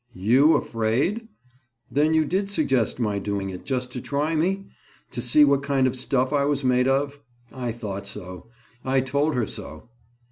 "You afraid? Then you did suggest my doing it, just to try me, to see what kind of stuff I was made of? I thought so. I told her so."